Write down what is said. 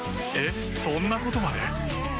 えっそんなことまで？